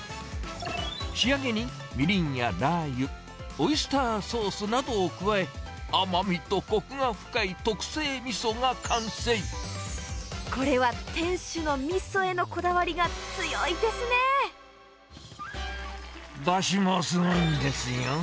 仕上げにみりんやラー油、オイスターソースなどを加え、これは店主のみそへのこだわだしもすごいんですよ。